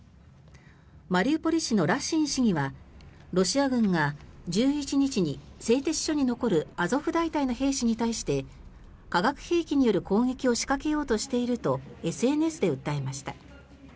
マリウポリ氏のラシン市議はロシア軍が１１日に製鉄所に残るアゾフ大隊の兵士に対して化学兵器による攻撃を仕掛けようとしているとＳＮＳで訴えました。